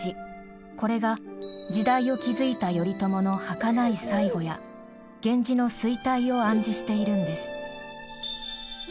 これが時代を築いた頼朝のはかない最期や源氏の衰退を暗示しているんです。